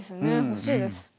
欲しいです。